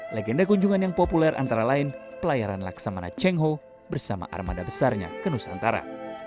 legenda kunjungan yang populer antara lain pelayaran laksamana cheng ho bersama armada besarnya ke nusantara